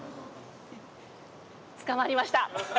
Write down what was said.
つかまりました。